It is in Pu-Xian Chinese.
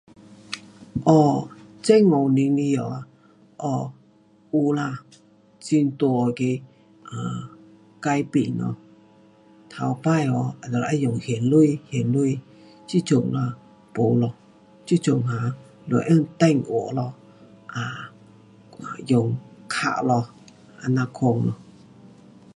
um, 这五年来喔，噢，有啦，很大那个 um 改变啦，头次喔要用现钱还钱，这阵啊，没咯 ,um 这阵啊得用电话咯，um 我用卡咯，这样款。